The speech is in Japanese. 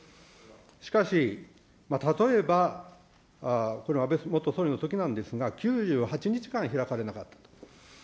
しかし、例えば、この安倍元総理のときなんですが、９８日間ひらかれなかったと。